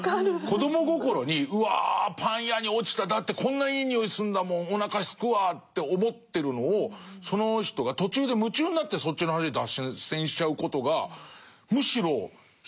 子ども心にうわパン屋に落ちただってこんないい匂いするんだもんおなかすくわって思ってるのをその人が途中で夢中になってそっちの話に脱線しちゃうことがむしろ悲惨の方も分かるというか。